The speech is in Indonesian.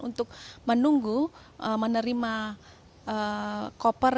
untuk menunggu menerima kopar